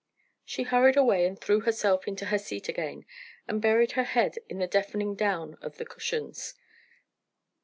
She hurried away and threw herself into her seat again, and buried her head in the deafening down of the cushions.